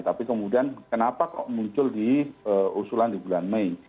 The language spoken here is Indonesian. tapi kemudian kenapa muncul di urusulan di bulan mei